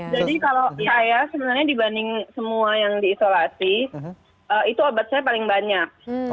jadi kalau saya sebenarnya dibanding semua yang diisolasi itu obat saya paling banyak